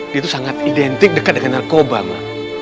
dia itu sangat identik dekat dengan narkoba ma